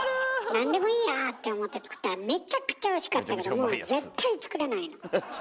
何でもいいやって思って作ったらめちゃくちゃおいしかったけどもう絶対作れないの。